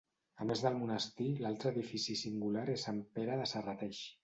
A més del monestir, l'altre edifici singular és Sant Pere de Serrateix.